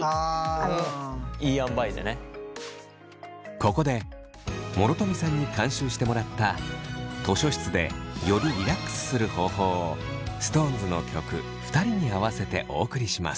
ここで諸富さんに監修してもらった図書室でよりリラックスする方法をＳｉｘＴＯＮＥＳの曲「ふたり」に合わせてお送りします。